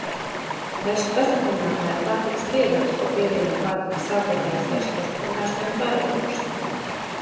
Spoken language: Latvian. Garšas pastiprinātāji ir pārtikas piedevas, ko pievieno pārtikas sākotnējās garšas pastiprināšanai un pārveidošanai.